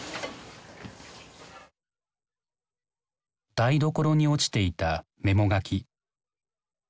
台所に落ちていたメモ書き。